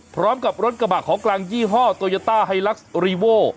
พร้อมกับรถกระบะของกลางยี่ห้อโตยาต้าไฮลักษ์รีโว